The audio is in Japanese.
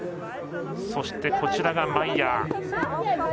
そして、こちらがマイヤー。